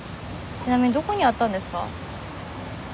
ちなみにどこにあったんですか？